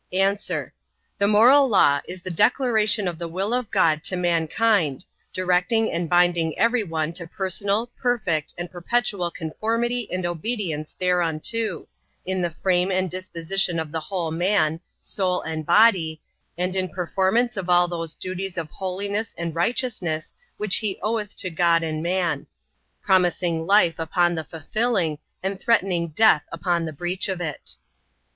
A. The moral law is the declaration of the will of God to mankind, directing and binding every one to personal, perfect, and perpetual conformity and obedience thereunto, in the frame and disposition of the whole man, soul, and body, and in performance of all those duties of holiness and righteousness which he oweth to God and man: promising life upon the fulfilling, and threatening death upon the breach of it.